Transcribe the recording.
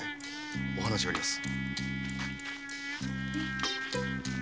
お話があります。